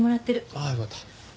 ああよかった。